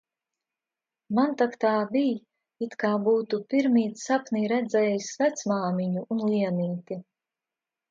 Man tak tā bij, it kā būtu pirmīt sapnī redzējis vecmāmiņu un Lienīti